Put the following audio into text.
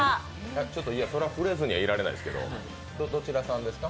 ちょっと、それは触れずにはいられませんけど、どちらさんですか？